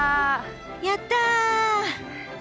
やった！